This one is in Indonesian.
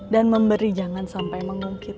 dan memberi wujud jangan sampai menggengkit